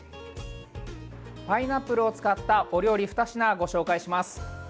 パイナップルを使ったお料理２品ご紹介します。